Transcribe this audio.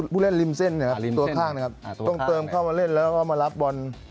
ผู้เล่นริมเส้นนะครับตัวข้างนะครับต้องเติมเข้ามาเล่นแล้วก็มารับบอล